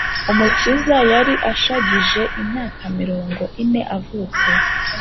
umukiza yari ashagije imyaka mirongo ine avutse.